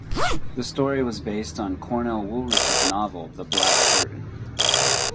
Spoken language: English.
The story was based on Cornell Woolrich's novel "The Black Curtain".